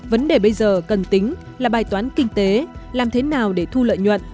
vấn đề bây giờ cần tính là bài toán kinh tế làm thế nào để thu lợi nhuận